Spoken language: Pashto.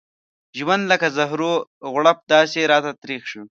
ژوند لکه د زهرو غړپ داسې راته تريخ شو.